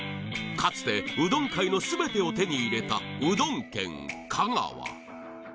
かつてうどん界のすべてを手に入れたうどん県香川